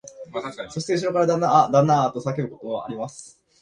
そしてうしろからは、旦那あ、旦那あ、と叫ぶものがあります